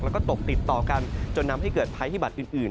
แล้วก็ตกติดต่อกันจนทำให้เกิดภัยพิบัตรอื่น